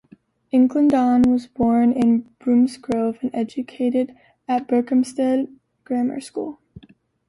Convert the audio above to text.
Incledon was born in Bromsgrove and educated at Berkhamsted Grammar School.